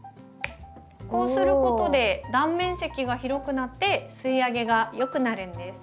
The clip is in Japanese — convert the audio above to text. こうすることで断面積が広くなって吸いあげがよくなるんです。